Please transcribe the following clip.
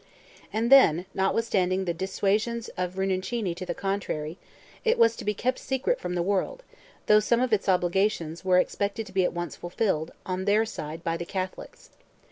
And then, not withstanding the dissuasions of Rinuccini to the contrary, it was to be kept secret from the world, though some of its obligations were expected to be at once fulfilled, on their side, by the Catholics.